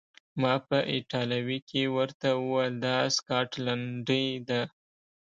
ما په ایټالوي کې ورته وویل: دا سکاټلنډۍ ده.